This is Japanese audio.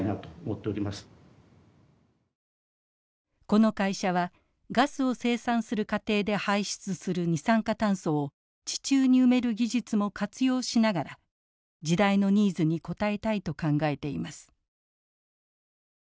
この会社はガスを生産する過程で排出する二酸化炭素を地中に埋める技術も活用しながら時代のニーズに応えたいと考えています。